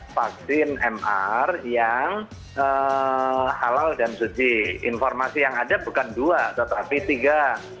vaksin mr yang halal dan suci informasi yang ada bukan dua tetapi tiga